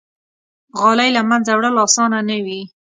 غالۍ له منځه وړل آسانه نه وي.